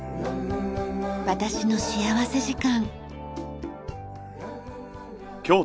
『私の幸福時間』。